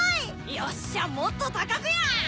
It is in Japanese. よっしゃもっと高くや！